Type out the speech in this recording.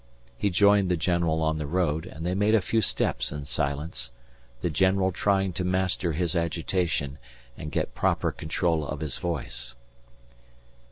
He joined the general on the road, and they made a few steps in silence, the general trying to master his agitation and get proper control of his voice.